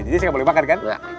jadi saya ga boleh makan kan